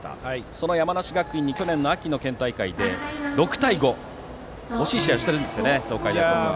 その山梨学院に去年秋の県大会で６対５と惜しい試合をしているんですよね。